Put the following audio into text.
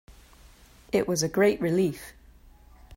It was a great relief